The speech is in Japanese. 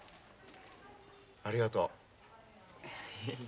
ありがとう。